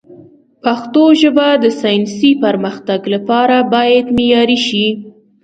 پښتو ژبه د ساینسي پرمختګ لپاره باید معیاري شي.